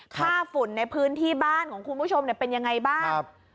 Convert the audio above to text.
ฝุ่นในพื้นที่บ้านของคุณผู้ชมเป็นยังไงบ้าง